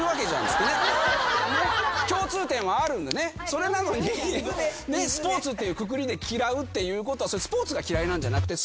それなのにスポーツっていうくくりで嫌うっていうことはスポーツが嫌いなんじゃなくて。